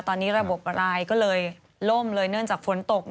ตอนนี้ระบบรายก็เลยล่มเลยเนื่องจากฝนตก